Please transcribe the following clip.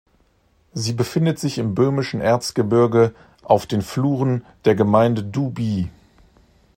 Sie befindet sich im böhmischen Erzgebirge auf den Fluren der Gemeinde Dubí.